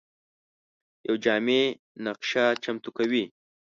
یوه جامع نقشه چمتو کوي.